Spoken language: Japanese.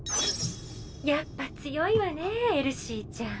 やっぱ強いわねぇエルシーちゃん。